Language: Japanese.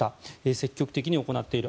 積極的に行っている。